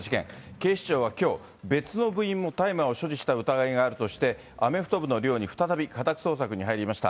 警視庁はきょう、別の部員も大麻を所持した疑いがあるとして、アメフト部の寮に再び家宅捜索に入りました。